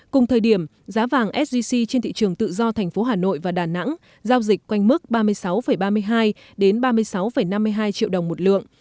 cùng thời điểm giá vàng sgc trên thị trường tự do tp hcm và đà nẵng giao dịch quanh mức ba mươi sáu ba mươi hai đến ba mươi sáu năm mươi hai triệu đồng một lượng